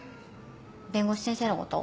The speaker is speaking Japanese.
弁護士先生のこと？